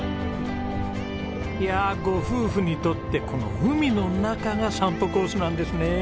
いやあご夫婦にとってこの海の中が散歩コースなんですね。